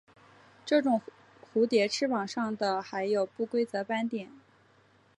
这种蝴蝶翅膀上的还有不规则斑点。